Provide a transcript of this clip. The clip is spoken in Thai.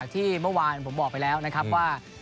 ที่เมื่อวานผมบอกไปแล้วนะครับว่า